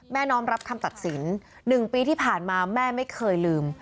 น้อมรับคำตัดสิน๑ปีที่ผ่านมาแม่ไม่เคยลืม